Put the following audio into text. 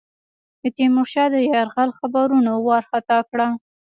د تیمورشاه د یرغل خبرونو وارخطا کړه.